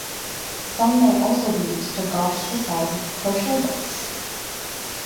Some may also be used to gauge the size of crochet hooks.